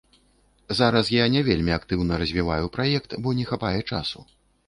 Зараз я не вельмі актыўна развіваю праект, бо не хапае часу.